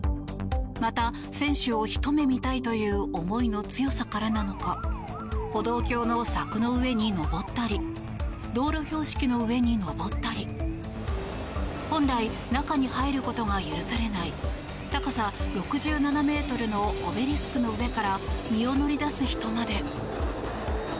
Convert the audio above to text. また選手をひと目見たいという思いの強さからなのか歩道橋の柵の上に登ったり道路標識の上に登ったり本来、中に入ることが許されない高さ６７ｍのオベリスクの上から身を乗り出す人まで。